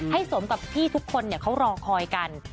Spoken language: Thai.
สมกับที่ทุกคนเขารอคอยกัน